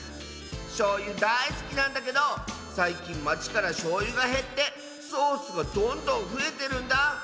しょうゆだいすきなんだけどさいきんまちからしょうゆがへってソースがどんどんふえてるんだ！